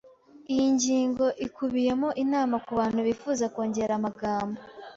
Iyi ngingo ikubiyemo inama kubantu bifuza kongera amagambo.